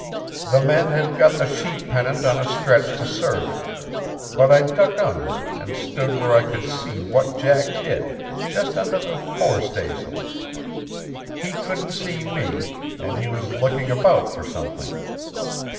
The men had got the sheet pennant on a stretch to serve it, but I ducked under it and stood where I could see what Jack did, just under the fore staysail. He couldn't see me, and he was looking about for something.